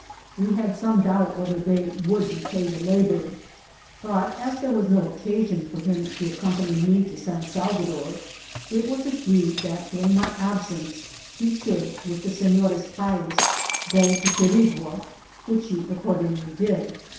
We had some doubt whether they would repay the labour ; but as there was no occasion for him 120 INCIDENTS OF TRAVEL. to accompany me to San Salvador, it was agreed that during my absence he should, with the Senores Payes, go to Quirigua, which he accordingly did.